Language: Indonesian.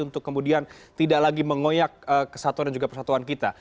untuk kemudian tidak lagi mengoyak kesatuan dan juga persatuan kita